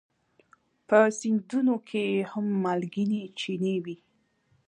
په سیندونو کې هم مالګینې چینې وي.